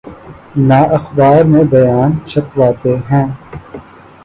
نہ اخبار میں بیان چھپواتے ہیں۔